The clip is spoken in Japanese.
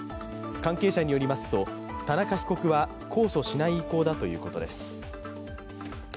関係者によりますと、田中被告は控訴しない意向だということです。